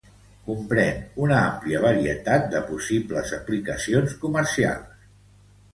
Comprén una àmplia varietat de possibles aplicacions comercials.